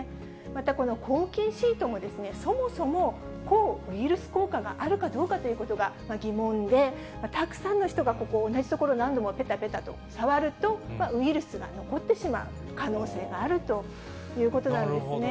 またこの抗菌シートも、そもそも抗ウイルス効果があるかどうかということが疑問で、たくさんの人がここ、同じ所、何度もぺたぺたと触ると、ウイルスが残ってしまう可能性があるということなんですね。